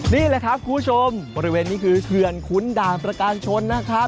นี่แหละครับคุณผู้ชมบริเวณนี้คือเขื่อนขุนด่านประการชนนะครับ